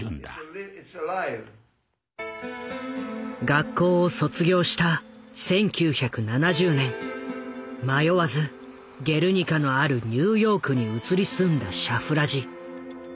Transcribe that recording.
学校を卒業した１９７０年迷わず「ゲルニカ」のあるニューヨークに移り住んだシャフラジ。